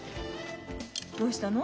どうしたの？